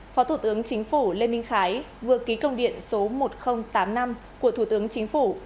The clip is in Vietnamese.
phó thủ tướng chính phủ lê minh khái vừa ký công điện số một nghìn tám mươi năm của thủ tướng chính phủ